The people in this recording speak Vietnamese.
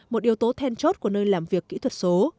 một yếu tố then chốt của nơi làm việc kỹ thuật số